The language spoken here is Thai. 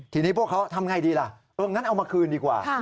ทีนี้พวกเขาทำอย่างไรดีล่ะเอออย่างนั้นเอามาคืนดีกว่า